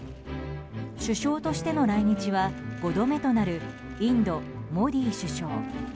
首相としての来日は５度目となるインド、モディ首相。